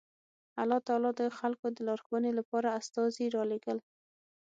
الله تعالی د خلکو د لارښوونې لپاره استازي رالېږل